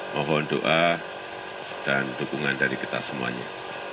mohon doa dan dukungan dari kita semuanya